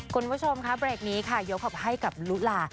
คุณผู้ชมค่ะเบรกนี้ค่ะยกให้กับลุลา